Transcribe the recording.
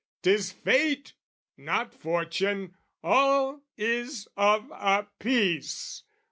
'Tis fate not fortune! All is of a piece!